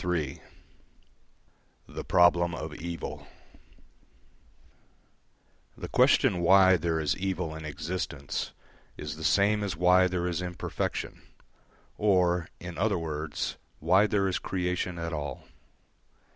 III THE PROBLEM OF EVIL The question why there is evil in existence is the same as why there is imperfection, or, in other words, why there is creation at all.